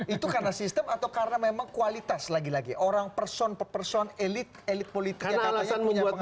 itu karena sistem atau karena memang kualitas lagi lagi orang person person elit elit politiknya katanya punya pengaruh